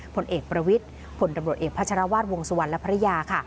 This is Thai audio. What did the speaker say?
พลเอกประวิทย์พลัดนำรวดเอกพจรวาสวงสวรรค์พลระยา